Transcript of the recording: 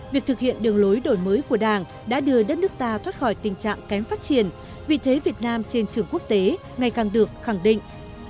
việc thực hiện đường lối đổi mới của đảng đã đưa đất nước ta thoát khỏi tình trạng kém phát triển vị thế việt nam trên trường quốc tế ngày càng được khẳng định